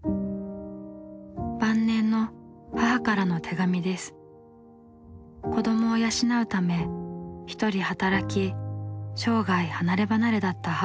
晩年の子どもを養うため一人働き生涯離れ離れだった母。